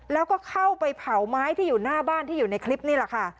แล้วก็เข้าไปเผาไม้ที่อยู่หน้าบ้านที่อยู่ในคลิปนี่แหละค่ะ